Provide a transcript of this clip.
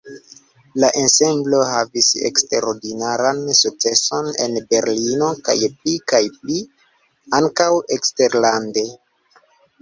La ensemblo havis eksterordinaran sukceson en Berlino, kaj pli kaj pli ankaŭ eksterlande.